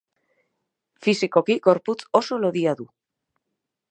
Fisikoki gorputz oso lodia du.